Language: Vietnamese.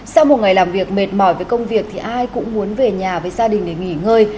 sau một ngày làm việc mệt mỏi với công việc thì ai cũng muốn về nhà với gia đình để nghỉ ngơi